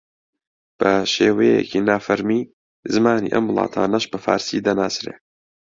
بە شێوەیەکی نافەرمی زمانی ئەم وڵاتانەش بە فارسی دەناسرێ